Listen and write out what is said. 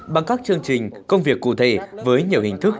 bằng các chương trình công việc cụ thể với nhiều hình thức